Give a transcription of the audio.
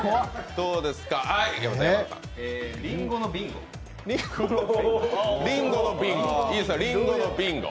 りんごのビンゴ。